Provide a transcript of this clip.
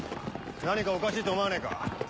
何かおかしいと思わねえか。